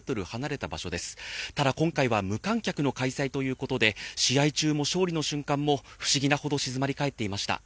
ただ今回は無観客の開催ということで試合中も勝利の瞬間も不思議なほど静まり返っていました。